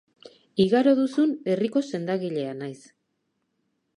Igaro duzun herriko sendagilea naiz.